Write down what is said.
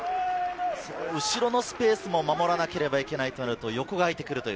後ろのスペースも守らなければいけないとなると、横が空いてきます。